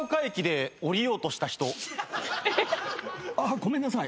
ごめんなさい。